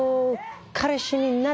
「彼氏になれ！」